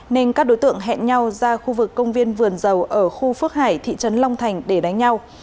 nên các đối tượng hẹn nhau ra khu vực công viên vườn dầu ở khu phước hải thị trấn long thành để đánh nhau